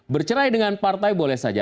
bercerai dengan partai boleh saja